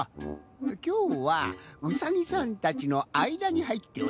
きょうはうさぎさんたちのあいだにはいっております。